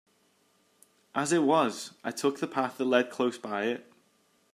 As it was, I took the path that led close by it.